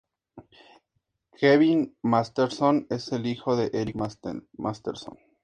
Kevin Masterson es el hijo de Eric Masterson.